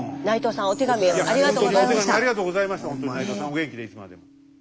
お元気でいつまでも。